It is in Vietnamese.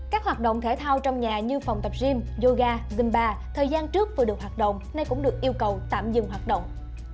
các hoạt động thể thao trong nhà như phòng tập gym yoga gm bà thời gian trước vừa được hoạt động nay cũng được yêu cầu tạm dừng hoạt động